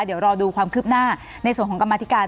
เดี๋ยวรอดูความคืบหน้าในส่วนของกรรมธิการ